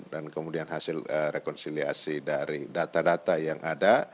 dan kemudian hasil rekonsiliasi dari data data yang ada